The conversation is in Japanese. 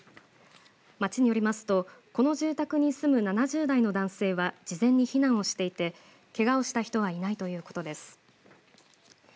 町によりますとこの住宅に住む７０代の男性は事前に避難をしていてけがをした人はいないということです。